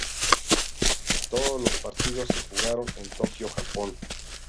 Todos los partidos se jugaron en Tokyo, Japón.